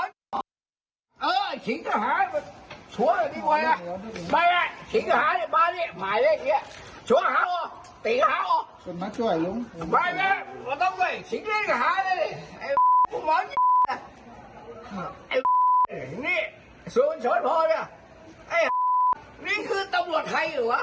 นี่คือตำรวจใครหรือวะ